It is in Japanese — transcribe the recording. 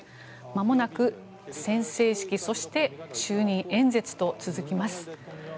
まもなく宣誓式そして、就任演説と続きます。